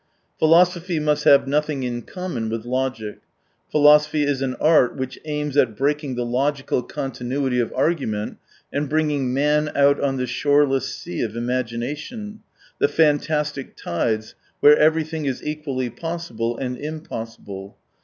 Philo sophy must have nothing in common with logic ; philosophy is an art which aims at breaking the logical continuity of argument and bringing man out on the shoreless sea of imagination, the fantastic tides where everything is equally possible and im possible.